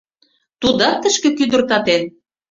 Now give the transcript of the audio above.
Тудат тышке кӱдыртатен